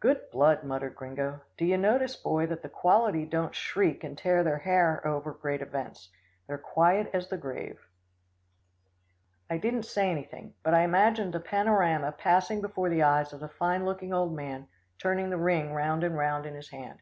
"Good blood," muttered Gringo. "Do you notice, Boy, that the quality don't shriek and tear their hair over great events. They're quiet as the grave." I didn't say anything, but I imagined the panorama passing before the eyes of the fine looking old man turning the ring round and round in his hand.